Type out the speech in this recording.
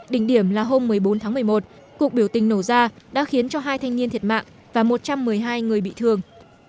đỉnh điểm là hôm một mươi bốn tháng một mươi một cuộc biểu tình nổ ra đã khiến cho hai thanh niên thiệt mạng và một trăm một mươi hai người bị thương